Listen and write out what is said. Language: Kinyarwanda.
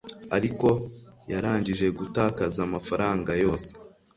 ariko yarangije gutakaza amafaranga yose